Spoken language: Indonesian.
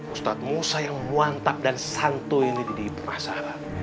ustadz musa yang muantab dan santu ini di ibu asal